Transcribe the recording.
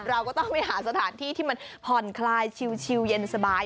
เราก็ต้องไปหาสถานที่ที่มันผ่อนคลายชิวเย็นสบาย